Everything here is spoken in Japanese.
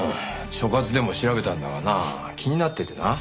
所轄でも調べたんだがな気になっててな。